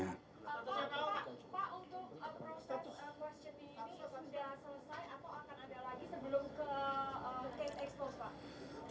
pak untuk proses question ini sudah selesai atau akan ada lagi sebelum ke case expose pak